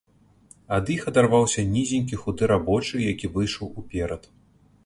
Ад іх адарваўся нізенькі худы рабочы, які выйшаў уперад.